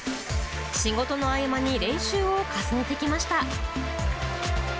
仕事の合間に練習を重ねてきました。